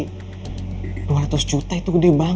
iya gue tau masalah itu lo jangan kasih tau michelle soal ini